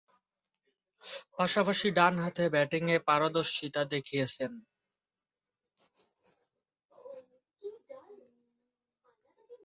পাশাপাশি ডানহাতে ব্যাটিংয়ে পারদর্শীতা দেখিয়েছেন।